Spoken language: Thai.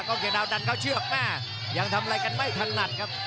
กริดาวดันเขาเชือกมาอย่างถามอะไรกันไม่ทันหนัดครับ